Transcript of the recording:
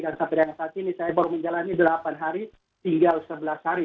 dan sampai dengan saat ini saya baru menjalani delapan hari tinggal sebelas hari